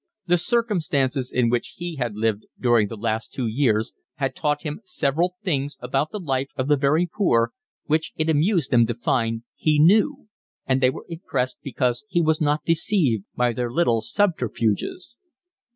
The circumstances in which he had lived during the last two years had taught him several things about the life of the very poor, which it amused them to find he knew; and they were impressed because he was not deceived by their little subterfuges.